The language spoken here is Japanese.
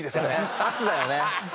圧だよね。